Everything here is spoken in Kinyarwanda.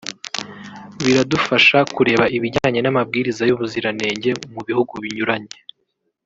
Biradufasha kureba ibijyanye n’amabwiriza y’ubuziranenge mu bihugu binyuranye